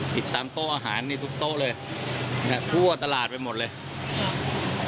ติดตามโต๊ะอาหารนี่ทุกโต๊ะเลยเนี้ยทั่วตลาดไปหมดเลย